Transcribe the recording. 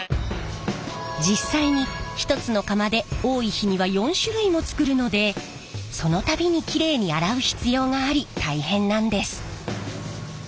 実際に１つの釜で多い日には４種類も作るのでその度にキレイに洗う必要があり大変なんです。